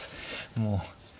もう。